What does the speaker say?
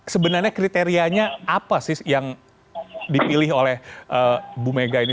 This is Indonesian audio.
sebenarnya kriterianya apa sih yang dipilih oleh bumega ini